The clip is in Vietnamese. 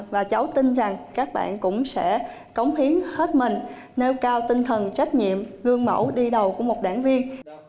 và cháu tin rằng các bạn cũng sẽ cống hiến hết mình nêu cao tinh thần trách nhiệm gương mẫu đi đầu của một đảng viên